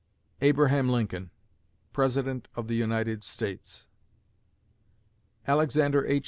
ABRAHAM LINCOLN (President of the United States) _Alexander H.